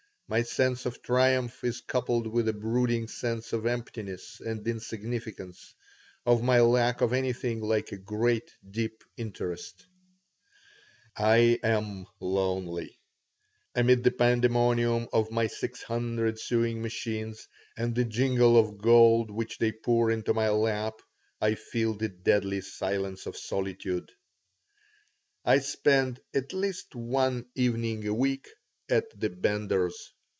My sense of triumph is coupled with a brooding sense of emptiness and insignificance, of my lack of anything like a great, deep interest I am lonely. Amid the pandemonium of my six hundred sewing machines and the jingle of gold which they pour into my lap I feel the deadly silence of solitude I spend at least one evening a week at the Benders.